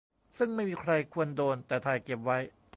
ซึ่งไม่มีใครควรโดน แต่ถ่ายเก็บไว้